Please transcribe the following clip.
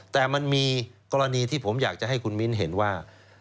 แต่มันมีกรณีที่ผมอยากจะให้คุณมิ้นเห็นว่า